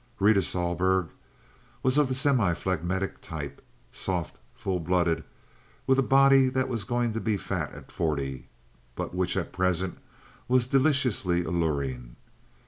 Rita Sohlberg was of the semi phlegmatic type, soft, full blooded, with a body that was going to be fat at forty, but which at present was deliciously alluring.